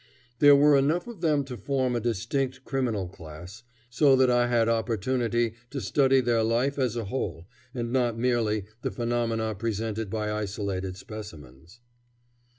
There were enough of them to form a distinct criminal class, so that I had opportunity to study their life as a whole, and not merely the phenomena presented by isolated specimens.